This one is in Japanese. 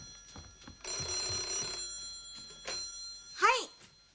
はい。